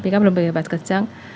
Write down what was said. pika belum bebas kejang